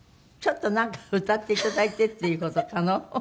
ちょっとなんか歌っていただいてっていう事可能？